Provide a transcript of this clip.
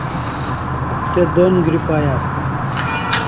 Te don gri pai asta